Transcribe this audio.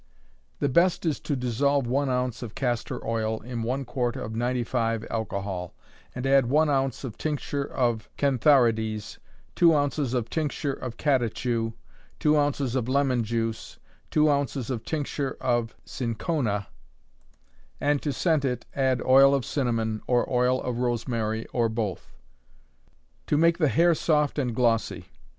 The best is to dissolve one ounce of castor oil in one quart of 95 alcohol, and add one ounce of tincture of cantharides, two ounces of tincture of catechu, two ounces of lemon juice, two ounces of tincture of cinchona; and to scent it, add oil of cinnamon, or oil of rosemary, or both. _To Make the Hair Soft and Glossy.